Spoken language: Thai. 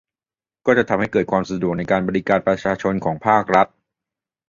ก็จะทำให้เกิดความสะดวกในการบริการประชาชนของภาครัฐ